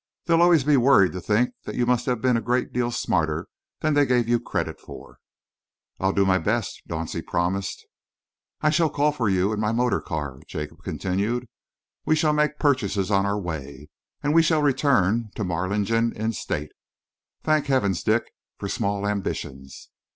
They'll always be worried to think that you must have been a great deal smarter than they gave you credit for." "I'll do my best," Dauncey promised. "I shall call for you in my motor car," Jacob continued; "we shall make purchases on our way, and we shall return to Marlingden in state. Thank heavens, Dick, for small ambitions!